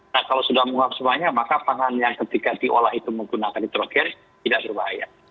nah kalau sudah menguap semuanya maka pangan yang ketika diolah itu menggunakan nitrogen tidak berbahaya